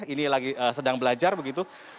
ini lagi sedang belajar begitu